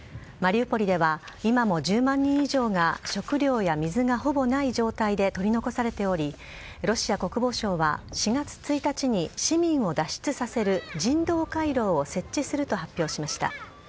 マリウポリでは今も１０万人以上が食料や水がほぼない状態で取り残されておりロシア国防省は４月１日に市民を脱出させる人道回廊を設置すると発表しました。